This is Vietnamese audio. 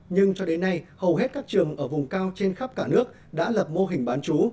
nhưng cho đến nay hầu hết các trường ở vùng cao trên khắp cả nước đã lập mô hình bán chú